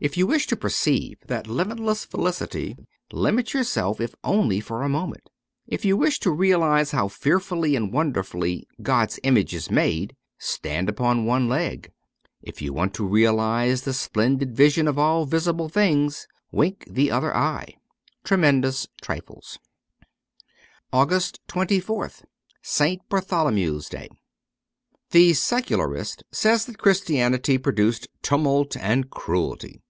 If you wish to perceive that limitless felicity, limit yourself if only for a moment. If you wish to realize how fearfully and wonderfully God's image is made, stand upon one leg. If you want to realize the splendid vision of all visible things — wink the other eye. ' Tremendous Trifles.' 261 AUGUST 24th ST. BARTHOLOMEW'S DAY THE Secularist says that Christianity produced tumult and cruelty.